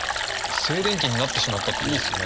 「静電気になってしまった」っていいですね。